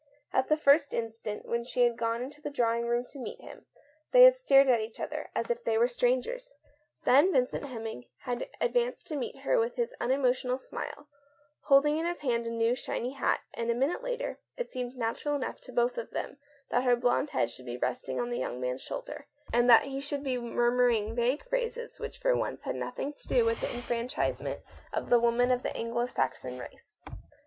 At the first instant, when she had gone into the drawing room to meet him, they had stared at each other as if they were strangers. Then Vincent Hemming had advanced to meet her with his unemotional smile, holding in his hand a new, shiny hat, and a minute later it seemed natural enough to both of them that her blond head should be resting on the young man's shoulder, and that he should be murmuring vague phrases which for once had nothing to do with the enfran chisement of the women of the Anglo Saxon race.